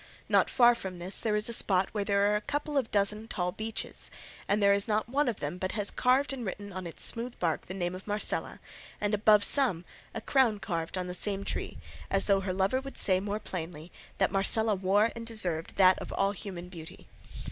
Not far from this there is a spot where there are a couple of dozen of tall beeches, and there is not one of them but has carved and written on its smooth bark the name of Marcela, and above some a crown carved on the same tree as though her lover would say more plainly that Marcela wore and deserved that of all human beauty.